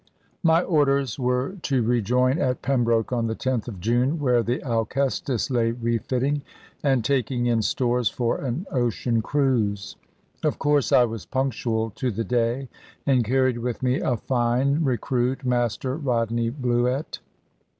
My orders were to rejoin at Pembroke on the 10th of June, where the Alcestis lay refitting, and taking in stores for an ocean cruise. Of course I was punctual to the day, and carried with me a fine recruit, Master Rodney Bluett.